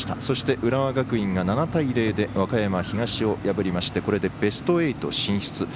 そして、浦和学院が７対０で和歌山東を破りましてこれでベスト８進出。